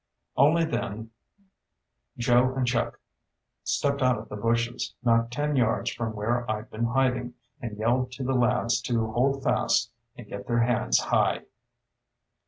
Only then Joe and Chuck stepped out of the bushes not ten yards from where I'd been hiding, and yelled to the lads to hold fast and get their hands high.